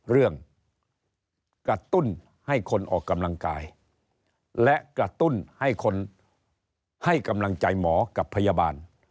กระตุ้นให้คนออกกำลังกายและกระตุ้นให้คนให้กำลังใจหมอกับพยาบาล